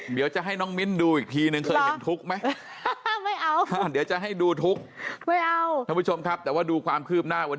เดี๋ยวจะให้น้องมินดูอีกทีหนึ่ง